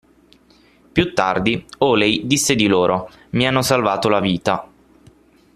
Più tardi, Hawley disse di loro: "Mi hanno salvato la vita.